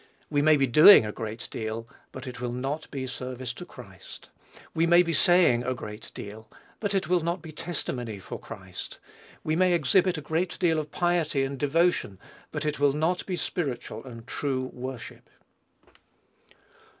We may be doing a great deal; but it will not be service to Christ. We may be saying a great deal, but it will not be testimony for Christ. We may exhibit a great deal of piety and devotion; but it will not be spiritual and true worship.